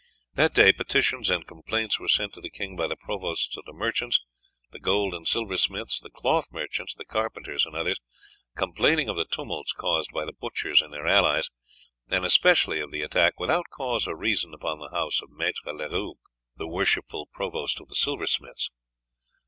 That day petitions and complaints were sent to the king by the provosts of the merchants, the gold and silver smiths, the cloth merchants, the carpenters and others, complaining of the tumults caused by the butchers and their allies, and especially of the attack without cause or reason upon the house of Maître Leroux, the worshipful provost of the silversmiths.